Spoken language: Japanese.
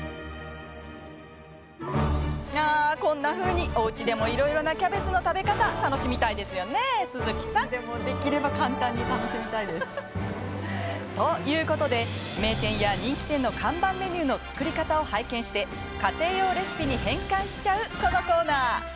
ああ、こんなふうにおうちでもいろいろなキャベツの食べ方楽しみたいですよね、鈴木さん。ということで、名店や人気店の看板メニューの作り方を拝見して家庭用レシピに変換しちゃうこのコーナー。